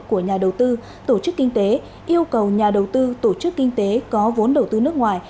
của nhà đầu tư tổ chức kinh tế yêu cầu nhà đầu tư tổ chức kinh tế có vốn đầu tư nước ngoài